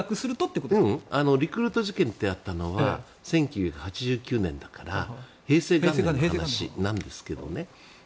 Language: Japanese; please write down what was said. ううんリクルート事件ってあったのは１９８９年だから平成元年の話なんだけどね。